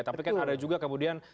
tapi kan ada juga kemudian